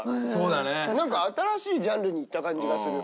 なんか新しいジャンルにいった感じがする。